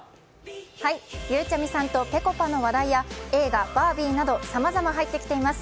ゆうちゃみさんとぺこぱの話題や映画「バービー」などさまざま入ってきています。